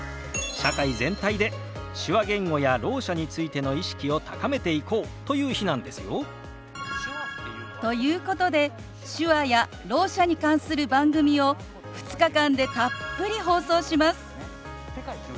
社会全体で手話言語やろう者についての意識を高めていこうという日なんですよ。ということで手話やろう者に関する番組を２日間でたっぷり放送します。